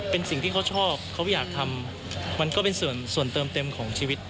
เป็นสิ่งที่เขาชอบเขาอยากทำมันก็เป็นส่วนเติมเต็มของชีวิต